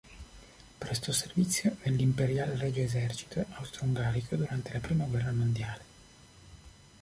Prestò servizio nel Imperial regio Esercito austro-ungarico durante la prima guerra mondiale.